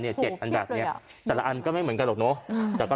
เนี่ยเจ็ดอันแบบเนี้ยแต่ละอันก็ไม่เหมือนกันหรอกเนาะแต่ก็